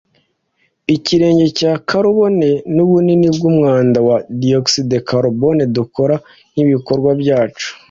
Ikirenge cya karubone nubunini bwumwanda wa dioxyde de carbone dukora nkibikorwa byacu